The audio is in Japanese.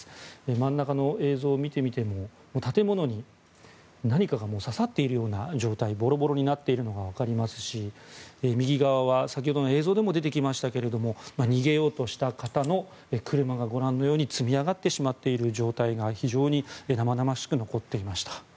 真ん中の映像を見てみても建物に何かが刺さっているような状態ボロボロになっているのが分かりますし右側は先ほどの映像でも出てきましたが逃げようとした方の車がご覧のように積み上がってしまっている状態が非常に生々しく残っていました。